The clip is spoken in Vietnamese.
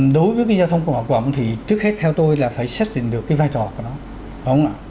đối với giao thông của quản lý nhà nước thì trước hết theo tôi là phải xét định được vai trò của nó